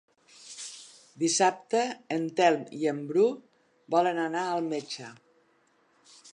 Dissabte en Telm i en Bru volen anar al metge.